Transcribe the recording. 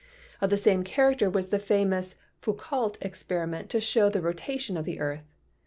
Of the same character was the famous Foucault experi ment to show the rotation of the earth.